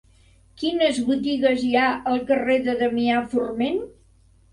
Quines botigues hi ha al carrer de Damià Forment?